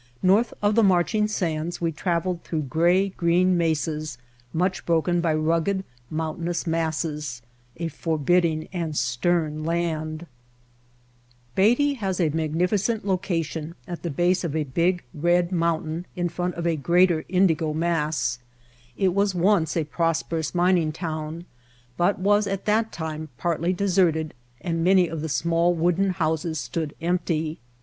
North of the marching sands we traveled through gray green mesas much broken by rugged, mountain ous masses, a forbidding and stern land. The Outfit Beatty has a magnificent location at the base of a big, red mountain in front of a greater, indigo mass. It was once a prosperous mining town, but was at that time partly deserted and many of the small wooden houses stood empty.